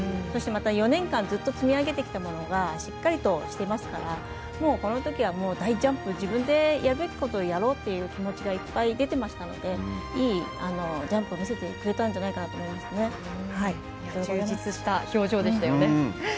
そしてまた４年間ずっと積み上げてきたものがしっかりとしてますからもう、このときは大ジャンプ自分でやるべきことをやろうという気持ちがいっぱい出ていましたのでいいジャンプを見せてくれたんじゃないかなと充実した表情でしたよね。